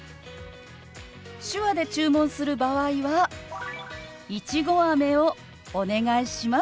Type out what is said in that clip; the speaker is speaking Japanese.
手話で注文する場合は「いちごあめをお願いします」となるわよ。